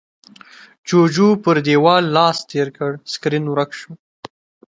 جُوجُو پر دېوال لاس تېر کړ، سکرين ورک شو.